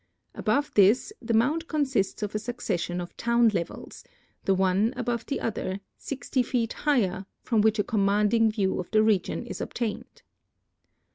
Above this the mound consists of a succession of town levels, the one above the other, sixty feet higher, from which a commanding view of the region is obtained.